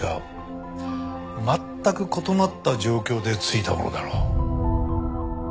全く異なった状況でついたものだろう。